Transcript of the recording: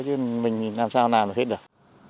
chứ mình làm sao nào là hết được